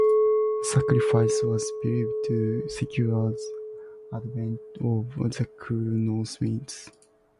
The sacrifice was believed to secure the advent of the cool North winds.